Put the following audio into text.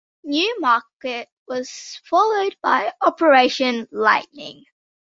New Market was followed by Operation Lightning.